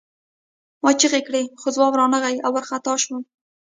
ما چیغې کړې خو ځواب را نغی او وارخطا شوم